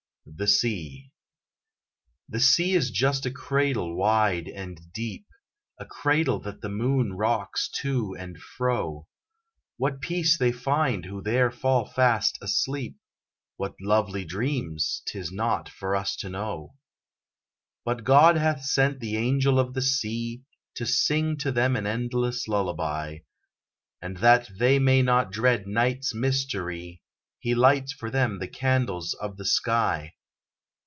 THE SEA The sea is just a cradle wide and deep, A cradle that the moon rocks to and fro; What peace they find who there fall fast asleep, What lovely dreams, 'Tis not for us to know. But God hath sent the angel of the sea To sing to them an endless lullaby; And that they may not dread night's mystery, He lights for them the candles of the sky.